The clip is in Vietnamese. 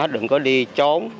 đừng có đi trốn